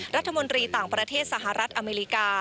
รัฐมนตรีต่างประเทศสหรัฐอเมริกา